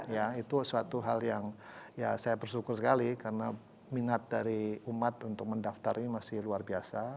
ya itu suatu hal yang ya saya bersyukur sekali karena minat dari umat untuk mendaftar ini masih luar biasa